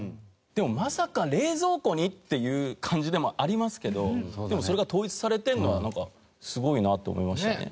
でもまさか冷蔵庫に？っていう感じでもありますけどでもそれが統一されてるのはなんかすごいなと思いましたね。